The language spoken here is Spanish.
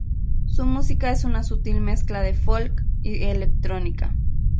Su música es una sutil mezcla de folk y electrónica.